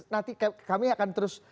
nanti kami akan terus